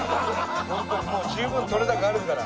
ホントにもう十分撮れ高あるから。